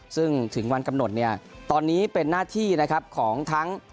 ซึ่งถึงวันกำหนดเนี่ยตอนนี้เป็นหน้าที่นะครับของทั้ง